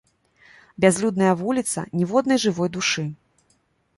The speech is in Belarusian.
Бязлюдная вуліца, ніводнай жывой душы.